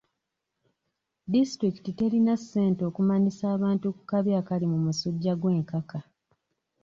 Disitulikiti terina ssente okumanyisa abantu ku kabi akali mu musujja gw'enkaka.